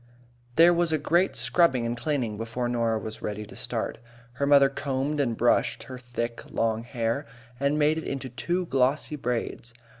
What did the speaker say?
There was a great scrubbing and cleaning before Norah was ready to start. Her mother combed and brushed her thick, long hair, and made it into two glossy braids.